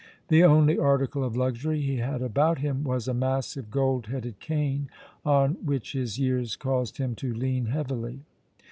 The only article of luxury he had about him was a massive gold headed cane on which his years caused him to lean heavily.